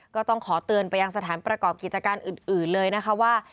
ก็ต้องขอเตือนไปยังสถานประกอบกิจการอื่นเลยนะคะว่า